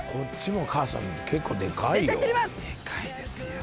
こっちも母さん結構デカいよ。